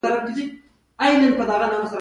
د کارګر او پانګهوال اړیکه هم خیالي ده.